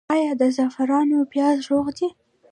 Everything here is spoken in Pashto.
آیا د زعفرانو پیاز روغ دي؟